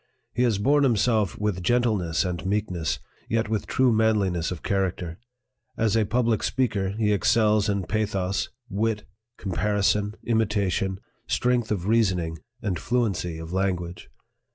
He has borne himself with gentleness and meekness, yet with true manliness of character. As a public speaker, he excels in pa thos, wit, comparison, imitation, strength of reasoning, and fluency of language.